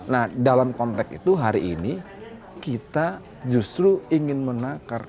nah dalam konteks itu hari ini kita justru ingin menakar